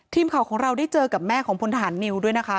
ทีมข่าวของเราได้เจอกับแม่ของพลทหารนิวด้วยนะคะ